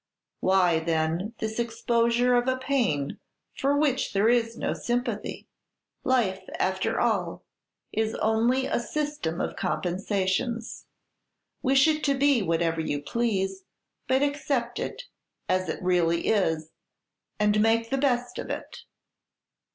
Why, then, this exposure of a pain for which there is no sympathy? "Life, after all, is only a system of compensations. Wish it to be whatever you please, but accept it as it really is, and make the best of it!